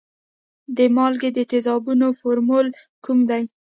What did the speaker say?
د مالګې د تیزابونو فورمول کوم دی؟